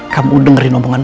kamu dengerin omongan